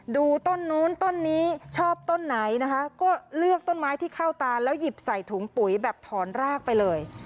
ดูต้นนู้นต้นนี้ชอบต้นไหนนะคะก็เลือกต้นไม้ที่เข้าตาแล้วหยิบใส่ถุงปุ๋ยแบบถอนรากไปเลย